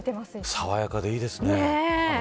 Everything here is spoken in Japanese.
爽やかでいいですね。